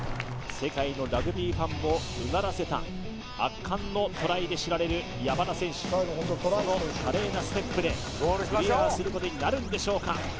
世界のラグビーファンもうならせた圧巻のトライで知られる山田選手その華麗なステップでクリアすることになるんでしょうか